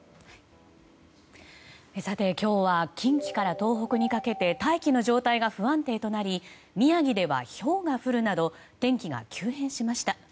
さて、今日は近畿から東北にかけて大気の状態が不安定となり宮城ではひょうが降るなど天気が急変しました。